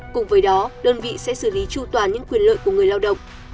cùng với đó đơn vị sẽ xử lý tru toàn những quyền lợi của người lao động